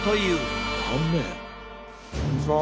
こんにちは。